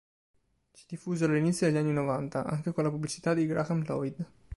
Si diffusero all'inizio degli anni novanta, anche con la pubblicità di Graham Lloyd.